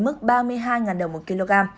mức ba mươi hai đồng một kg